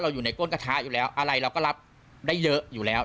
อยู่ในก้นกระทะอยู่แล้วอะไรเราก็รับได้เยอะอยู่แล้ว